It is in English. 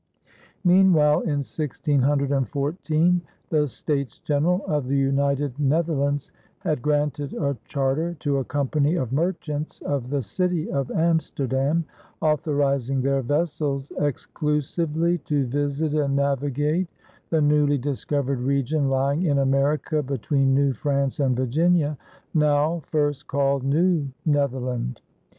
Meanwhile in 1614 the States General of the United Netherlands had granted a charter to a company of merchants of the city of Amsterdam, authorizing their vessels "exclusively to visit and navigate" the newly discovered region lying in America between New France and Virginia, now first called New Netherland.